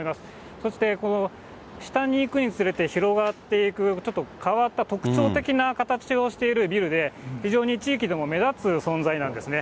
そして、下にいくにつれて広がっていく、ちょっと変わった特徴的な形をしているビルで、非常に地域でも目立つ存在なんですね。